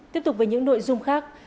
tiếp tục với những nội dung khác